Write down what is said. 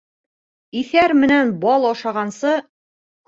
Иҫәр менән бал ашағансы